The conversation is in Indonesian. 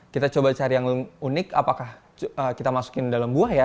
kita coba cari yang unik apakah kita masukin dalam buah ya